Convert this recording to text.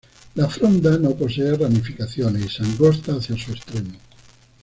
La fronda no posee ramificaciones y se angosta hacia su extremo.